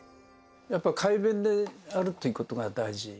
やっぱり快便であるということが大事。